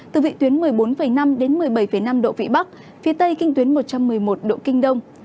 từ vị tuyến một mươi bốn năm đến một mươi bảy năm độ vĩ bắc phía tây kinh tuyến một trăm một mươi một độ kinh đông